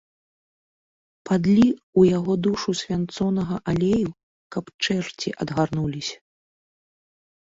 Падлі ў яго душу свянцонага алею, каб чэрці адгарнуліся.